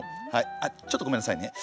あちょっとごめんなさいね。